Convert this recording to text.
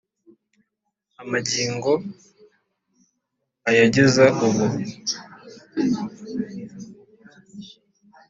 amagingo ayageza ubu.